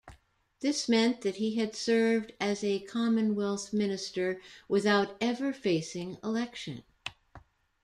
This meant that he had served as a Commonwealth Minister without ever facing election.